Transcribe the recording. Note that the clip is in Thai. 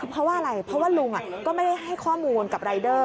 เพราะว่าอะไรเพราะว่าลุงก็ไม่ได้ให้ข้อมูลกับรายเดอร์